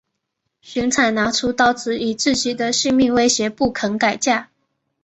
荀采拿出刀子以自己的性命威胁不肯改嫁。